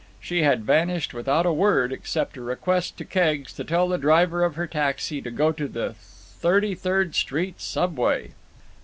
She had vanished without a word, except a request to Keggs to tell the driver of her taxi to go to the Thirty Third Street subway.